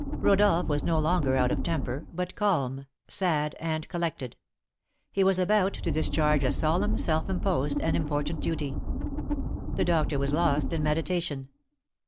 Rodolph was no longer out of temper, but calm, sad, and collected; he was about to discharge a solemn, self imposed, and important duty. The doctor was lost in meditation.